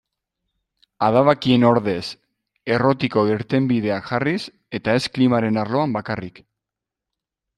Adabakien ordez errotiko irtenbideak jarriz, eta ez klimaren arloan bakarrik.